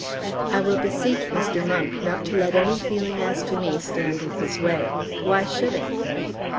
"I will beseech Mr. Monk not to let any feeling as to me stand in his way. Why should it?"